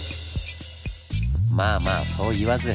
まあまあそう言わず！